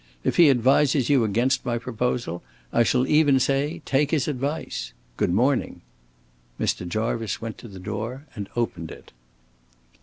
If he advises you against my proposal, I shall even say take his advice. Good morning." Mr. Jarvice went to the door and opened it.